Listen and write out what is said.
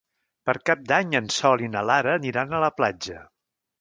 Per Cap d'Any en Sol i na Lara aniran a la platja.